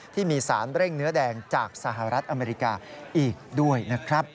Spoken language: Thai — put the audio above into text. ที่มีสารเร่งเนื้อแดงจากสหรัฐอเมริกาอีกด้วยนะครับ